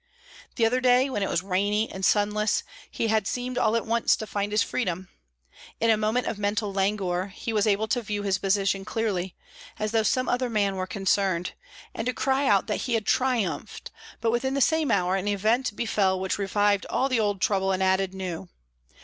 The other day, when it was rainy and sunless, he had seemed all at once to find his freedom. In a moment of mental languor, he was able to view his position clearly, as though some other man were concerned, and to cry out that he had triumphed; but within the same hour an event befell which revived all the old trouble and added new.